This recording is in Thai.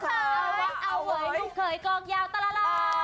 ว่าเอาเว้ยลูกเคยตรงโปรกยาวตระละล้ะ